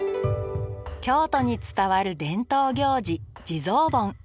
京都に伝わる伝統行事地蔵盆。